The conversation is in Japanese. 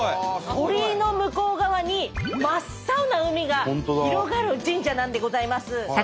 鳥居の向こう側に真っ青な海が広がる神社なんでございます。